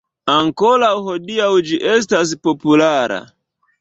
Ankoraŭ hodiaŭ ĝi estas populara.